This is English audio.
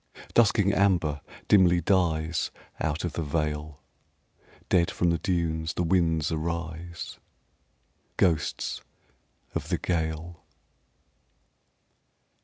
Dusking amber dimly dies Out of the vale. Dead from the dunes the winds arise Ghosts of the gale.